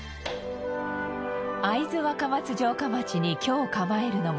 会津若松城下町に居を構えるのが